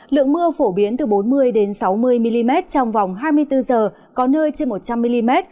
lượng mưa phổ biến từ bốn mươi sáu mươi mm trong vòng hai mươi bốn h có nơi trên một trăm linh mm